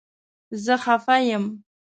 زه خپه یم